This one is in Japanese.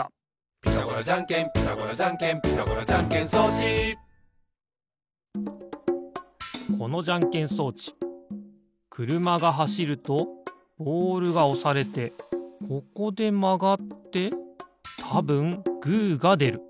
「ピタゴラじゃんけんピタゴラじゃんけん」「ピタゴラじゃんけん装置」このじゃんけん装置くるまがはしるとボールがおされてここでまがってたぶんグーがでる。